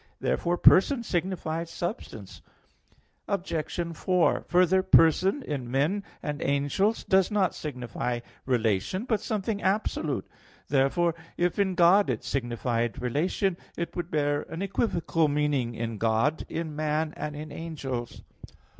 Therefore "person" signifies substance. Obj. 4: Further, person in men and angels does not signify relation, but something absolute. Therefore, if in God it signified relation, it would bear an equivocal meaning in God, in man, and in angels.